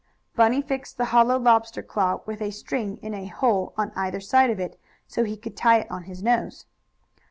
Bunny fixed the hollow lobster claw, with a string in a hole on either side of it, so he could tie it on his nose.